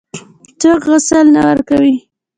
څوک غسل نه ورکوي.